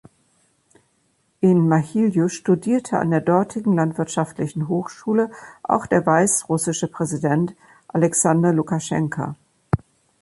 In Mahiljou studierte an der dortigen landwirtschaftlichen Hochschule auch der weißrussische Präsident Aljaksandr Lukaschenka.